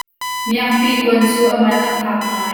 Miakpi kuan cu a man a fak ngai.